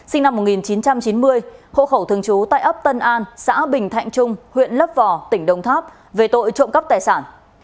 sinh năm một nghìn chín trăm chín mươi hộ khẩu thường trú tại ấp tân an xã bình thạnh trung huyện lấp vò tỉnh đồng tháp về tội trộm cắp tài sản